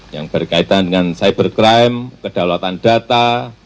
yang berkaitan dengan cybercrime kedaulatan data